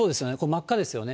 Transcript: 真っ赤ですよね。